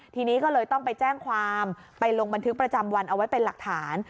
ทีนี้ก็เลยต้องไปแจ้งความไปลงบันทึกประจำวันเอาไว้เป็นหลักฐาน